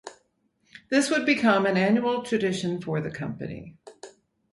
This would become an annual tradition for the company.